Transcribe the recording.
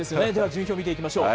順位表見ていきましょう。